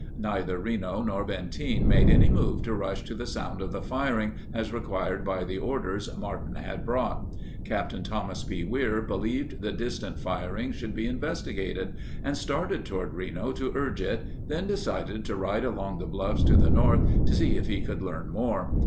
Neither Reno nor Benteen made any move to rush to the sound of the firing as required by the orders Martin had brought. Capt. Thomas B. Weir believed the distant firing should be investigated, and started toward Reno to urge it, then decided to ride along the bluffs to the north to see if he could learn more.